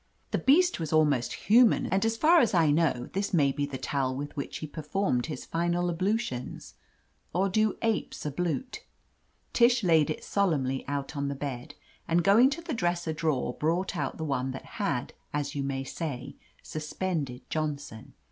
The beast was almost human, and as far as I know this may be the towel with which he performed his final ablutions — or do apes ab lute?" Tish laid it solemnly out on the bed and, going to the dresser drawer, brought out the one that had, as you may say, suspended John son.